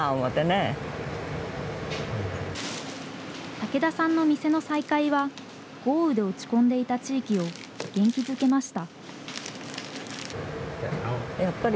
竹田さんの店の再開は、豪雨で落ち込んでいた地域を元気づけました。